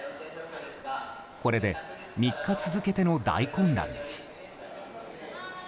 これで３日続けての大混乱です。